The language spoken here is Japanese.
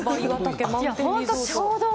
本当ちょうど。